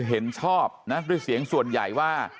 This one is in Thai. เห็นชอบนะด้วยเสียงส่วนใหญ่ว่า